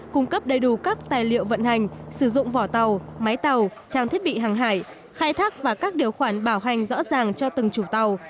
cung cấp đầy đủ các tài liệu vận hành sử dụng vỏ tàu máy tàu trang thiết bị hàng hải khai thác và các điều khoản bảo hành rõ ràng cho từng chủ tàu